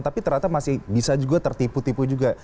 tapi ternyata masih bisa juga tertipu tipu juga